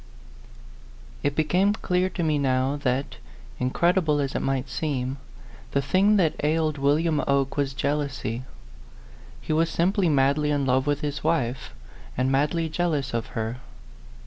IT became clear to me now that, incredi ble as it might seem, the thing that ailed William Oke was jealousy. He was simply madly in love with his wife, and madly jealous of her.